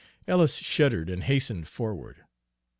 Ellis shuddered and hastened forward.